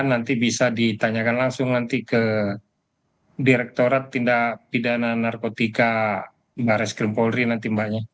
nanti bisa ditanyakan langsung ke direktorat tindak pidana narkotika baris krim polri nanti mbak